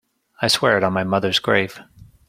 I swear it on my mother's grave.